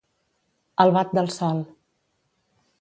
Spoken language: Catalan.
Al bat del sol.